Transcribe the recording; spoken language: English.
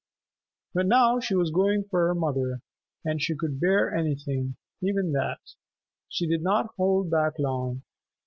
But now she was going for her mother, and she could bear anything, even that. She did not hold back long.